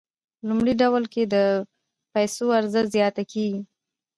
په لومړي ډول کې د پیسو عرضه زیاته کیږي.